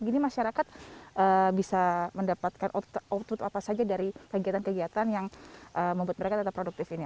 gini masyarakat bisa mendapatkan output apa saja dari kegiatan kegiatan yang membuat mereka tetap produktif ini